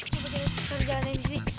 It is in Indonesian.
coba kita cari jalanan disini